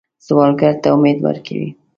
سوالګر ته امید ورکوئ